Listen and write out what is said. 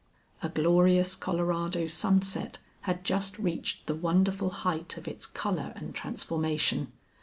A glorious Colorado sunset had just reached the wonderful height of its color and transformation.